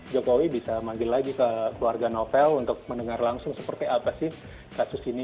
jokowi bisa manggil lagi ke keluarga novel untuk mendengar langsung seperti apa sih kasus ini